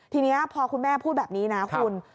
ทีนี้พอคุณแม่พูดแบบนี้นะคุณ